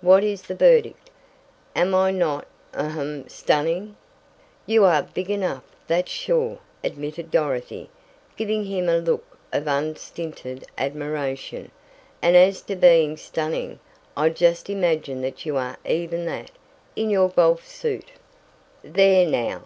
"What is the verdict? Am I not ahem stunning?" "You are big enough, that's sure," admitted Dorothy, giving him a look of unstinted admiration, "and as to being stunning I just imagine that you are even that in your golf suit." "There now!"